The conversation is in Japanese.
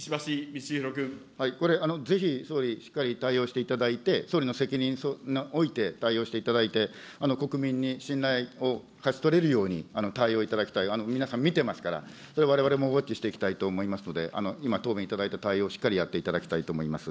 これ、ぜひ総理、しっかり対応していただいて、総理の責任において対応していただいて、国民に信頼を勝ち取れるように対応いただきたい、皆さん見てますから、それ、われわれもウォッチしていきたいと思いますので、今、答弁いただいた対応、しっかりやっていただきたいと思います。